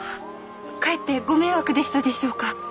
かえってご迷惑でしたでしょうか？